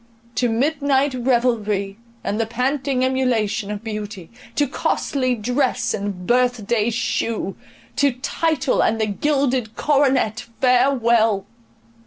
—To midnight revelry, and the panting emulation of beauty, to costly dress and birth day shew, to title and the gilded coronet, farewell!